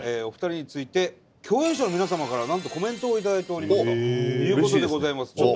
お二人について共演者の皆様からなんとコメントを頂いております。ということでございます。